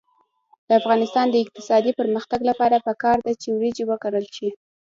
د افغانستان د اقتصادي پرمختګ لپاره پکار ده چې وریجې وکرل شي.